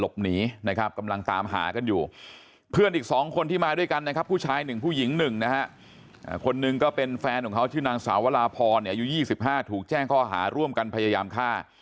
แฟนของเขาชื่อนางสาวราพรอายุ๒๕ถูกแจ้งข้อหาร่วมกันพยายามฆ่า